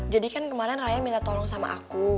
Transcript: jadi kan kemarin raya minta tolong sama aku